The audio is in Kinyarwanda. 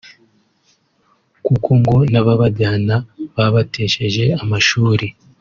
kuko ngo n’ababajyana babatesheje amashuri